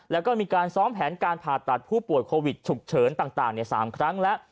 แล้วก็มีการซ้อมแผนการผ่าตัดผู้ป่วยโควิดฉุกเฉินต่าง๓ครั้งแล้ว